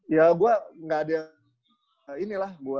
ya gue gak ada ini lah